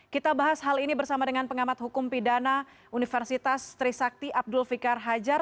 kita bahas hal ini bersama dengan pengamat hukum pidana universitas trisakti abdul fikar hajar